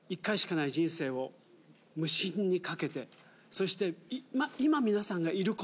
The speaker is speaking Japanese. そして今。